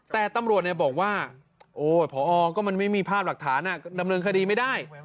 แต่ตำรวจบอกว่าโอ้ยพอก็มันไม่มีภาพหลักฐานดำเนินคดีไม่ได้